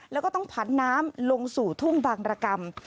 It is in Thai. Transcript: แล้วก็ต้องผันน้ำลงสู่ทุ่งบางรกรรม